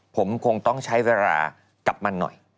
ผมคงต้องใช้เวลากับมันหน่อย